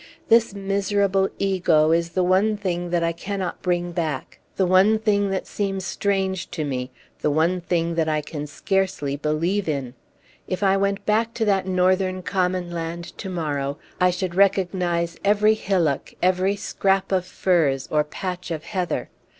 This miserable ego is the one thing that I can not bring back the one thing that seems strange to me the one thing that I can scarcely believe in. If I went back to that Northern common land to morrow, I should recognize every hillock, every scrap of furze, or patch of heather.